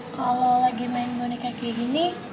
kalau lagi main boneka kayak gini